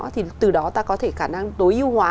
thì từ đó ta có thể khả năng tối ưu hóa